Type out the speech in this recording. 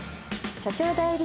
「所長代理」